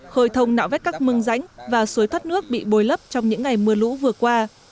khơi thông nạo vét các mương ránh và suối thoát nước bị bồi lấp trong những ngày mưa lũ vừa qua